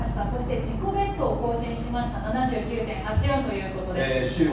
そして自己ベストを更新しました、７９．８４ということです。